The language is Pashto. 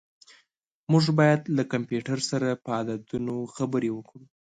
موږ باید له کمپیوټر سره په عددونو خبرې وکړو.